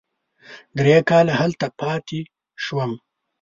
درې کاله هلته پاتې شوم.